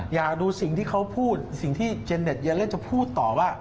อยากดูสิ่งที่เขาพูดสิ่งที่เจนเต็ดยาเล่นจะพูดต่อว่า